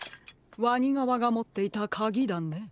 わにがわがもっていたかぎだね。